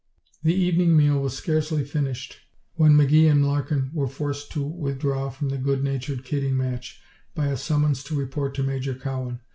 The evening meal was scarcely finished when McGee and Larkin were forced to withdraw from the good natured kidding match by a summons to report to Major Cowan.